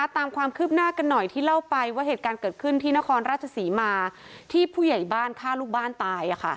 ตามความคืบหน้ากันหน่อยที่เล่าไปว่าเหตุการณ์เกิดขึ้นที่นครราชศรีมาที่ผู้ใหญ่บ้านฆ่าลูกบ้านตาย